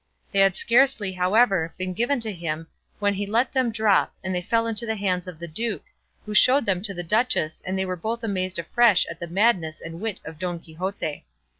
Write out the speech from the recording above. They had scarcely, however, been given to him when he let them drop, and they fell into the hands of the duke, who showed them to the duchess and they were both amazed afresh at the madness and wit of Don Quixote.